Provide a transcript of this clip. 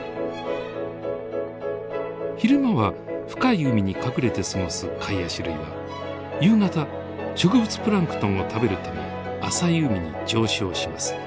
昼間は深い海に隠れて過ごすカイアシ類は夕方植物プランクトンを食べるため浅い海に上昇します。